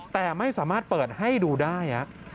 แต่ไม่สามารถเปิดให้ดูได้